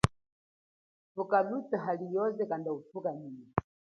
Thuka luthe halioze kanda uthuka nyima.